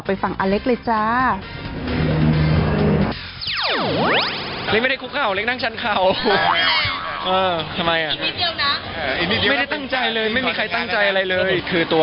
ไปฟังอเล็กเลยจ๊ะ